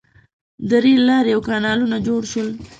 • د رېل لارې او کانالونه جوړ شول.